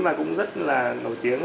và cũng rất là nổi tiếng